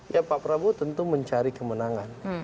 ya pak prabowo tentu mencari kemenangan